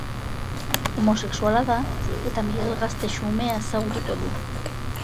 Homosexuala da eta Miguel gazte xumea ezagutuko du.